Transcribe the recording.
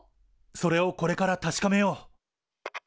それをこれから確かめよう。